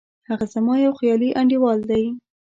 هغه زما یو خیالي انډیوال دی